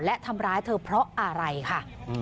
และทำร้ายเธอเพราะอะไรค่ะ